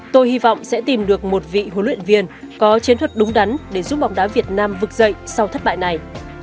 tôi hy vọng sẽ tìm được một vị huấn luyện viên có chiến thuật đúng đắn để giúp bóng đá việt nam vực dậy sau thất bại này